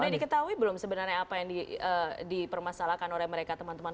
ini diketahui belum sebenarnya apa yang dipermasalahkan oleh mereka teman teman